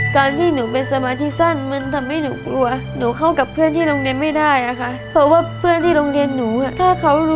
การที่หนูเป็นสมาธิสั้นมันทำให้หนูกลัว